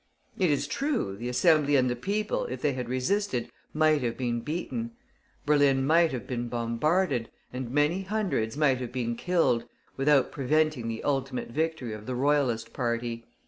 It is true, the Assembly and the people, if they had resisted, might have been beaten; Berlin might have been bombarded, and many hundreds might have been killed, without preventing the ultimate victory of the Royalist party.